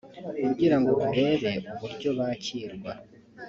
kugira ngo barebe uburyo bakirwa